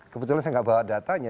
kebetulan saya nggak bawa datanya